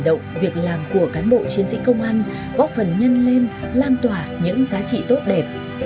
động việc làm của cán bộ chiến sĩ công an góp phần nhân lên lan tỏa những giá trị tốt đẹp